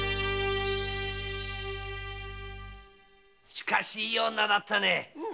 しかしいい女だったね！